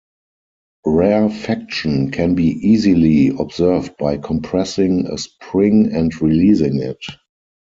Rarefaction can be easily observed by compressing a spring and releasing it.